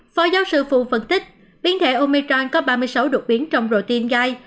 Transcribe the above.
phó giáo sư phu phân tích biến thể omicron có ba mươi sáu đột biến trong routine gai